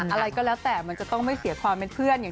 อะไรก็แล้วแต่มันจะต้องไม่เสียความเป็นเพื่อนเนี่ย